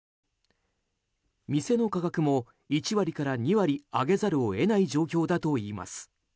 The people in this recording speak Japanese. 店の価格も１割から２割上げざるを得ない状況だといいます。